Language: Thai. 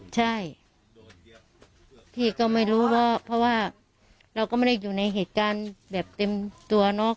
ใช่พี่ก็ไม่รู้เพราะว่าเราก็ไม่ได้อยู่ในเหตุการณ์แบบเต็มตัวเนาะ